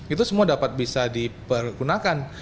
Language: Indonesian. itu semua dapat bisa dipergunakan